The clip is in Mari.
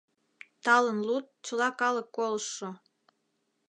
Талын луд, чыла калык колыштшо!